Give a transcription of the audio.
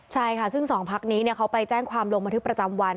ใช่ค่ะซึ่ง๒ภักดิ์นี้เขาไปแจ้งความลงมาทุกประจำวัน